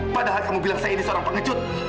padahal kamu bilang saya ini seorang pengecut